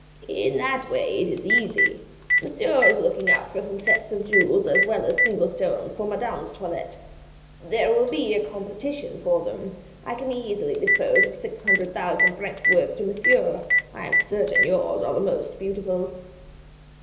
"In that way it is easy. Monsieur is looking out for some sets of jewels as well as single stones for Madame's toilette. There will be a competition for them. I can easily dispose of six hundred thousand francs' worth to Monsieur. I am certain yours are the most beautiful."